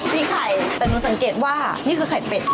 มีไข่แต่หนูสังเกตว่านี่คือไข่เป็ด